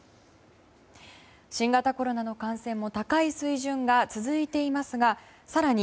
新型コロナの感染も高い水準が続いていますが更に